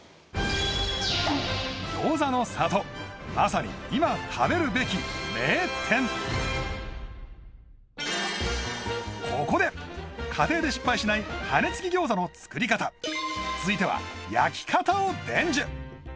餃子の里まさに今食べるべき名店ここで家庭で失敗しない羽根つき餃子の作り方続いては焼き方を伝授